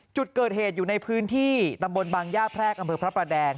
จุดเกิดเหตุอยู่ในพื้นที่ตำบลบางย่าแพรกอำเภอพระประแดง